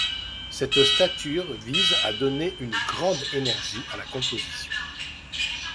Cette stature vise à donner une grande énergie à la composition.